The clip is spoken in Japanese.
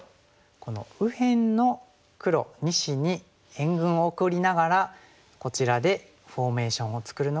この右辺の黒２子に援軍を送りながらこちらでフォーメーションを作るのが正解でした。